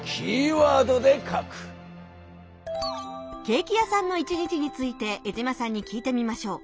ケーキ屋さんの１日について江島さんに聞いてみましょう。